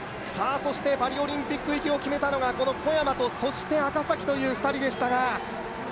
パリオリンピック行きを決めたのが小山と赤崎の２人でした。